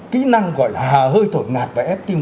kỹ năng gọi là hà hơi thổi ngạt và ép tim